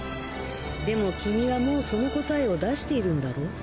でも君はもうその答えを出しているんだろう？